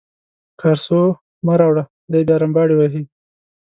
کارسو مه راوړه دی بیا رمباړې وهي.